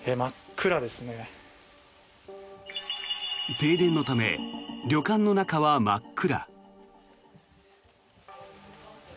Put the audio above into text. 停電のため旅館の中は真っ暗。